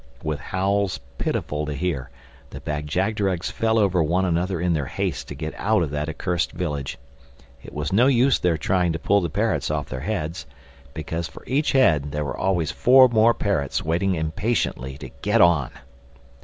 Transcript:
With howls pitiful to hear, the Bag jagderags fell over one another in their haste to get out of that accursed village. It was no use their trying to pull the parrots off their heads; because for each head there were always four more parrots waiting impatiently to get on.